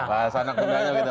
wah sana kundanya begitu